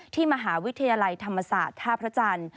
ที่มหาวิทยาลัยธรรมศาสตร์ท่าพระจันทร์